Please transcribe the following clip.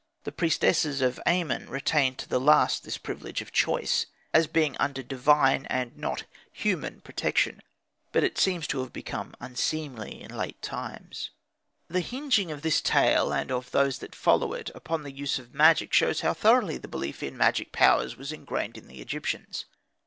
The priestesses of Amen retained to the last this privilege of choice, as being under divine, and not human protection; but it seems to have become unseemly in late times. The hinging of this tale, and of those that follow it, upon the use of magic, shows how thoroughly the belief in magic powers was ingrained in the Egyptians.